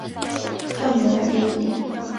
证明了这一点。